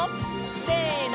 せの！